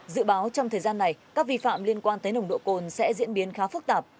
dự báo trong thời gian này các vi phạm liên quan tới nồng độ cồn sẽ diễn biến khá phức tạp